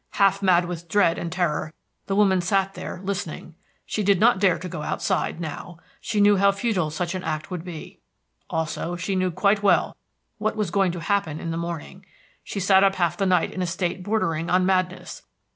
Half mad with dread and terror the woman sat there listening. She did not dare to go outside now; she knew how futile such an act would be. Also, she knew quite well what was going to happen in the morning. She sat up half the night in a state bordering on madness.